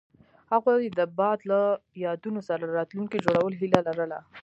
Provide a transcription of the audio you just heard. هغوی د باد له یادونو سره راتلونکی جوړولو هیله لرله.